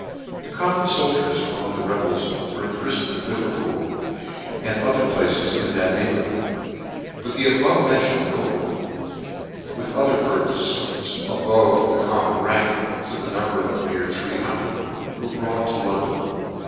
The common foldiers .in iong the rebels were impri toned at Liverpool , and other places in that neighbourhood ; but the above mentioned noblemen, with other perfons above the common rank, to the number of near three hundred, were brought to London.